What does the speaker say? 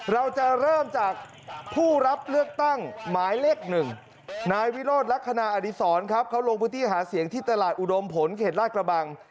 เขาลงพื้นที่หาเสียงที่ตลาดอุดมผลเขตราชกระบัง